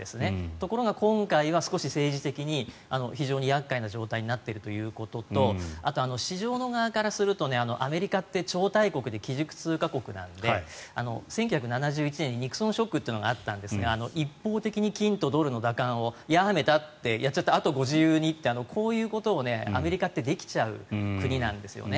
ところが今回は少し政治的に厄介な状態になっているということとあと、市場の側からするとアメリカって超大国で基軸通貨国なので１９７１年にニクソンショックというのがあったんですが一方的に金とドルの兌換をやめたってやっちゃってあとご自由にってこういうことをアメリカってできちゃう国なんですよね。